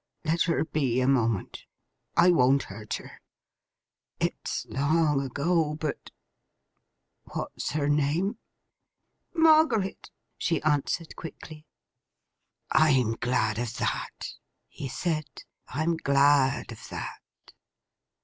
Let her be, a moment. I won't hurt her. It's long ago, but—What's her name?' 'Margaret,' she answered, quickly. 'I'm glad of that,' he said. 'I'm glad of that!